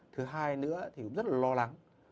thứ hai nữa thì cũng rất là lo lắng